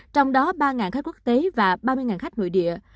trong đó ba khách quốc tế và ba mươi khách nội địa